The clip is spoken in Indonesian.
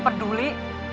aku udah peduli